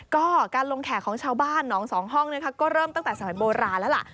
ก็การลงแขกของชาวบ้านหนองสองห้องนะคะก็เริ่มตั้งแต่สมัยโบราณแล้วล่ะ